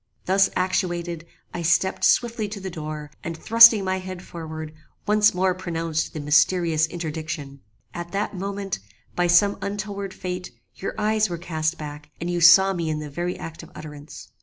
"Thus actuated, I stept swiftly to the door, and thrusting my head forward, once more pronounced the mysterious interdiction. At that moment, by some untoward fate, your eyes were cast back, and you saw me in the very act of utterance.